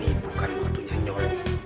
ini bukan waktunya nyorong